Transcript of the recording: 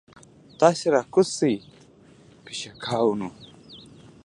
تاسې راکوز شئ پشکاوونه.